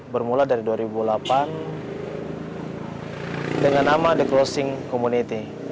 bermula dari dua ribu delapan dengan nama the closing community